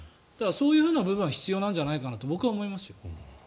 そういう部分は必要なんじゃないかなと僕は思いますよ。